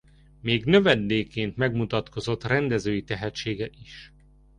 Még növendékként megmutatkozott rendezői tehetsége is.